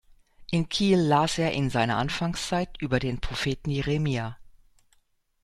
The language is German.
In Kiel las er in seiner Anfangszeit über den Propheten Jeremia.